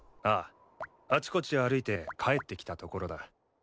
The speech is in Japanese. あちこち歩いて帰ってきたところだ。